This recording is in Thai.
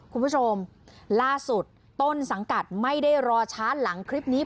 คุณผู้ชมล่าสุดต้นสังกัดไม่ได้รอช้าหลังคลิปนี้